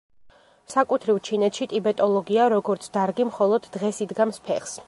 საკუთრივ ჩინეთში ტიბეტოლოგია როგორც დარგი მხოლოდ დღეს იდგამს ფეხს.